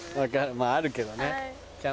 まぁあるけどね。